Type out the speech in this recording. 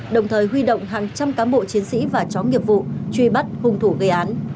đồng thời huy động hàng trăm cán bộ chiến sĩ và chó nghiệp vụ truy bắt hung thủ gây án